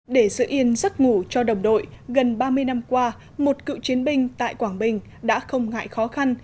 để giữ yên giấc ngủ cho đồng đội gần ba mươi năm qua một cựu chiến binh tại quảng bình đã không ngại khó khăn